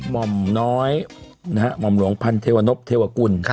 ม่อมน้อยม่อมหลวงพันธุ์เทวานบเทวกุล